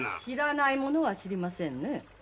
知らないものは知りませんね。